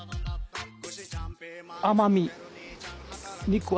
甘み。